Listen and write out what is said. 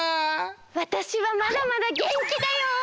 わたしはまだまだげんきだよ！